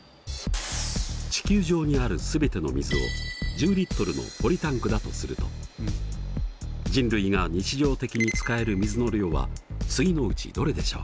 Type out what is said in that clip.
地球上にある全ての水を１０Ｌのポリタンクだとすると人類が日常的に使える水の量は次のうちどれでしょう？